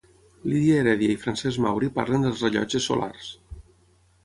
Lídia Heredia i Francesc Mauri parlen dels rellotges solars.